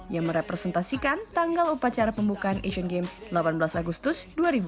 yang merepresentasikan tanggal upacara pembukaan asian games delapan belas agustus dua ribu delapan belas